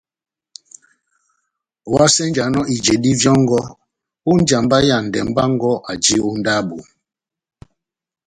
Ohásenjanɔ ijedi vyɔngɔ ó njamba ya ndɛmbɛ wɔngɔ aji eboki ó ndabo.